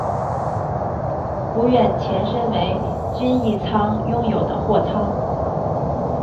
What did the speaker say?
屋苑前身为均益仓拥有的货仓。